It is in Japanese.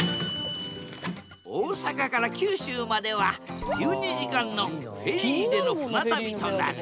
大阪から九州までは１２時間のフェリーでの船旅となる。